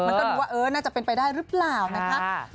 มันก็ดูว่าเออน่าจะเป็นไปได้หรือเปล่านะคะ